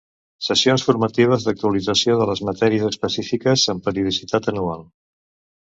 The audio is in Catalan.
Sessions formatives d'actualització de les matèries específiques, amb periodicitat anual.